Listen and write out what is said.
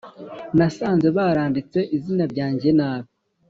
nasanze baranditse izina ryanjye nabi